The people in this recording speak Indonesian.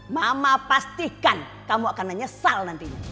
mama pastikan kamu akan menyesal nantinya